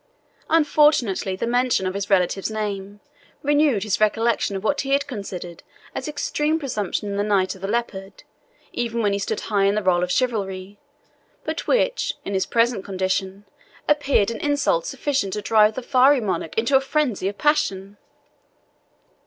Unfortunately, the mention of his relative's name renewed his recollection of what he had considered as extreme presumption in the Knight of the Leopard, even when he stood high in the roll of chivalry, but which, in his present condition, appeared an insult sufficient to drive the fiery monarch into a frenzy of passion.